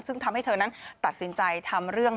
ซึ่งทำให้เธอนั้นตัดสินใจทำเรื่อง